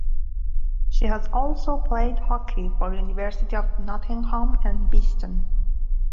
She has also played hockey for University of Nottingham and Beeston.